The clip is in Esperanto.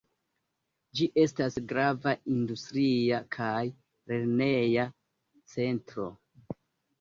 Ĝi estas grava industria kaj lerneja centro.